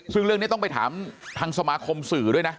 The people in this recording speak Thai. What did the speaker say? ซึ่งเรื่องนี้ต้องไปถามทางสมาคมสื่อด้วยนะ